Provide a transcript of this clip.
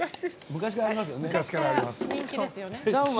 昔からありますからね。